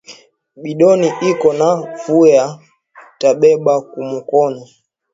Bidon iko na vuya ta beba kumukono